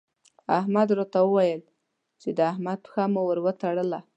احمد راته وويل چې د احمد پښه مو ور وتړله.